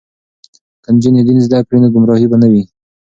که نجونې دین زده کړي نو ګمراهي به نه وي.